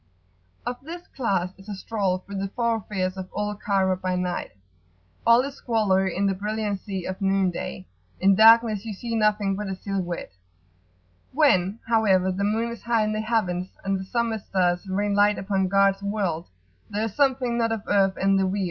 Of this class is a stroll through the thoroughfares of old Cairo by night. All is squalor in the brilliancy of noon day. In darkness you see nothing but a silhouette. When, however, the moon is high in the heavens, and the summer stars rain light upon God's world, there is something not of earth in the view.